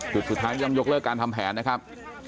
จุดสุดท้ายย่อมยกเลิกการทำแผนนะครับ